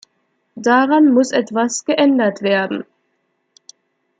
Daran muss etwas geändert werden.